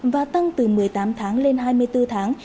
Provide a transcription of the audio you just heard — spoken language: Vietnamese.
và tăng từ một mươi tám tháng lên hai mươi bốn tháng